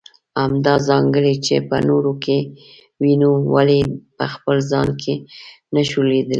همدا ځانګړنې چې په نورو کې وينو ولې په خپل ځان کې نشو ليدلی.